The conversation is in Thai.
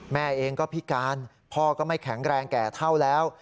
แม่เองก็พิการพ่อก็ไม่แข็งแรงแก่เท่าแล้ว